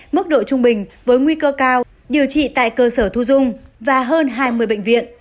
mức độ trung bình với nguy cơ cao điều trị tại cơ sở thu dung và hơn hai mươi bệnh viện